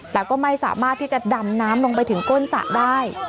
แต่ก็ไม่สามารถที่จะดำน้ำลงไปถึงก้นสระได้